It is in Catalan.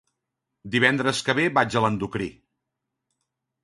Divendres que ve vaig a l'endocrí.